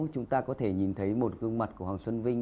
chúng ta có thể nhìn thấy một gương mặt của hoàng xuân vinh